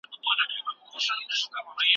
ايا د کيږديو لوګی به تر ماښامه پورې پورته شي؟